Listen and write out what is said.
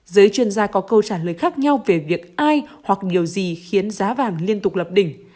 giới chuyên gia có câu trả lời khác nhau về việc ai hoặc nhiều gì khiến giá vàng liên tục lập đỉnh